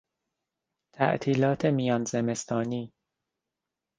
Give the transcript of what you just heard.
تعطیلات میان زمستانی